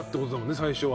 最初は。